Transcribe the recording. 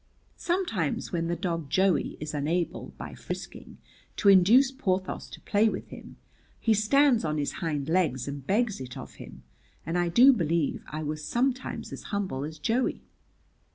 Sometimes when the dog Joey is unable, by frisking, to induce Porthos to play with him, he stands on his hind legs and begs it of him, and I do believe I was sometimes as humble as Joey.